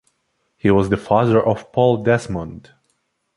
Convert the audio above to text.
He was the father of Paul Desmond.